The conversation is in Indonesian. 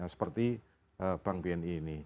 seperti bank bni ini